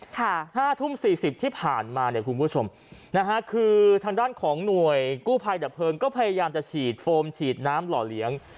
ค่ะ๕ทุ่ม๔๐ที่ผ่านมาคุณผู้ชมคือทางด้านของหน่วยกู้ไพดับเพลิงก็พยายามจะฉีดโฟมฉีดน้ำหล่อเหลียง